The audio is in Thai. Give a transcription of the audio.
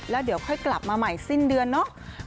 แล้วเดี๋ยวค่อยกลับมาใหม่สิ้นเดือนเนาะ